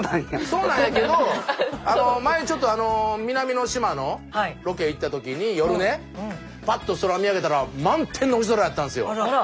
そうなんやけど前ちょっと南の島のロケへ行った時に夜ねパッと空見上げたら満天の星空やったんですよ。